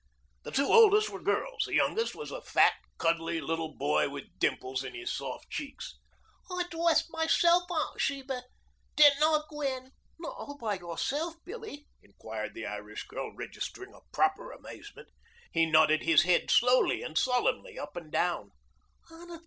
The two oldest were girls. The youngest was a fat, cuddly little boy with dimples in his soft cheeks. "I dwessed myself, Aunt Sheba. Didn't I, Gwen?" "Not all by yourself, Billie?" inquired the Irish girl, registering a proper amazement. He nodded his head slowly and solemnly up and down.